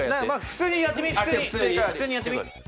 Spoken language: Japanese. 普通にやってみ。